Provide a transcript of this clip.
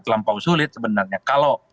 terlampau sulit sebenarnya kalau